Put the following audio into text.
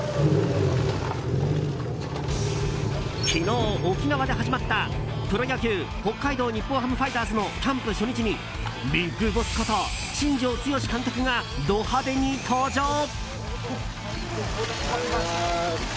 昨日、沖縄で始まったプロ野球北海道日本ハムファイターズのキャンプ初日にビッグボスこと新庄剛志監督がド派手に登場。